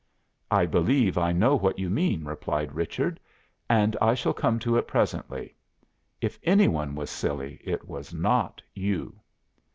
"I believe I know what you mean," replied Richard, "and I shall come to it presently. If any one was silly, it was not you."